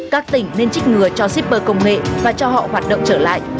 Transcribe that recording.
các tỉnh nên trích ngừa cho shipper công nghệ và cho họ hoạt động trở lại